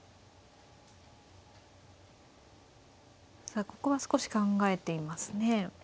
さあここは少し考えていますね。